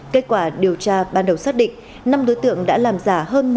kết quả điều tra ban đầu xác định năm đối tượng đã làm giả hơn một mươi tài liệu